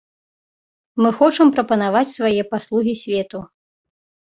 Мы хочам прапанаваць свае паслугі свету.